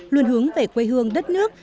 luôn hướng về quê hương đất nước